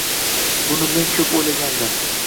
Buni men ko‘p o‘ylangandim.